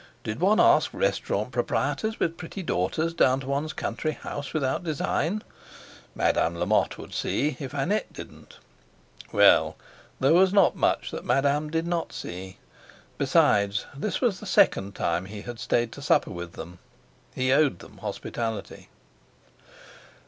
Did one ask restaurant proprietors with pretty daughters down to one's country house without design? Madame Lamotte would see, if Annette didn't. Well! there was not much that Madame did not see. Besides, this was the second time he had stayed to supper with them; he owed them hospitality.